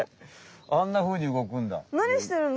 あんなふうに動くんだ。